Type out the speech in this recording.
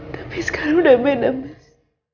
tapi sekarang udah beda mas